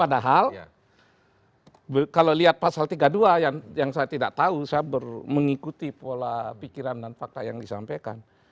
padahal kalau lihat pasal tiga puluh dua yang saya tidak tahu saya mengikuti pola pikiran dan fakta yang disampaikan